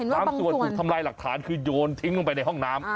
บางส่วนถูกทำลายหลักฐานคือโยนทิ้งลงไปในห้องน้ำ